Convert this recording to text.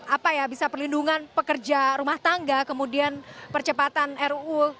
apa ya bisa perlindungan pekerja rumah tangga kemudian percepatan ruu